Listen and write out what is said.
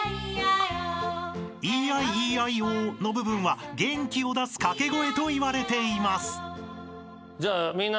［Ｅ−Ｉ−Ｅ−Ｉ−Ｏの部分は元気を出す掛け声といわれています］